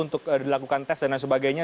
untuk dilakukan tes dan lain sebagainya